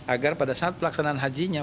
agar pada saat pelaksanaan hajinya